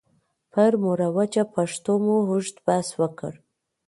پر مروجه پښتو مو اوږد بحث وکړ.